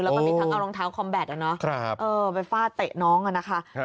แล้วก็มีทั้งเอารองเท้าคอมแบตอะเนอะครับเออไปฝ้าเตะน้องอะนะคะค่ะ